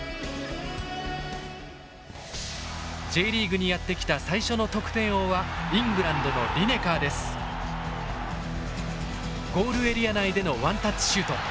Ｊリーグにやって来た最初の得点王はゴールエリア内でのワンタッチシュート。